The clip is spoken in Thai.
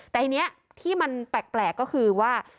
แต่ทีนี้ที่มันแปลกก็คือว่า